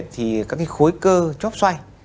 thì các cái khối cơ chóp xoay